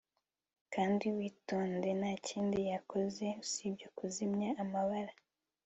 Kandi witonde ntakindi yakoze usibye kuzimya amabara